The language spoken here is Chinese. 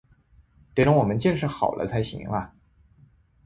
得等我们建设好了才行啊